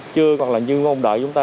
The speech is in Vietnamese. chưa hoặc là chưa ngôn đợi chúng ta